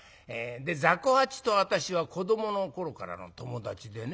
ざこ八と私は子どもの頃からの友達でね